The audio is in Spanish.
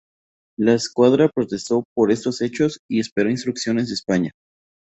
La escuadra protestó por estos hechos y esperó instrucciones de España.